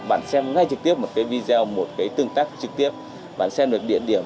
bạn xem ngay trực tiếp một video một tương tác trực tiếp bạn xem được địa điểm